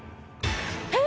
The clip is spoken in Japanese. えっ！